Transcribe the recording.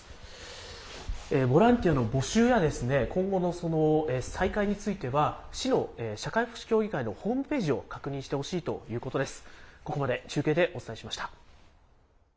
ボランティアの募集や今後の再開については、市の社会福祉協議会のホームページを確認してほしいということです。